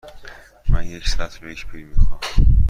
من یک سطل و یک بیل می خواهم.